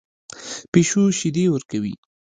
پیشو شیدې ورکوي